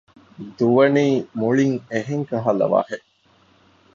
ދުވަނީ މުޅިން އެހެން ކަހަލަ ވަހެއް